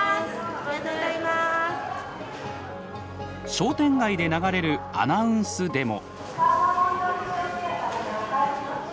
商店街で流れるアナウンスでも。